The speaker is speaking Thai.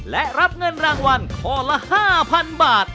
และรับเงินรางวัลข้อละ๕๐๐๐บาท